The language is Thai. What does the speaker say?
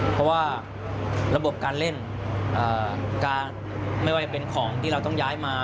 เพราะว่าระบบการเล่นการไม่ว่าจะเป็นของที่เราต้องย้ายมา